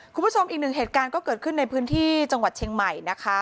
คุณผู้ชมอีกหนึ่งเหตุการณ์ก็เกิดขึ้นในพื้นที่จังหวัดเชียงใหม่นะคะ